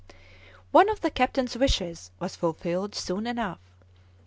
One of the captain's wishes was fulfilled soon enough.